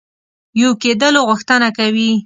یو کېدلو غوښتنه کوي.